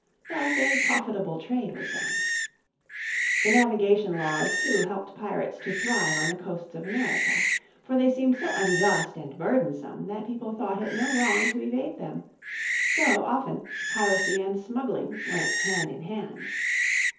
Thus a profitable trade was done. The Navigation Laws too helped pirates to thrive on the coasts of America. For they seemed so unjust and burdensome that people thought it no wrong to evade them. So, often, piracy and smuggling went hand in hand.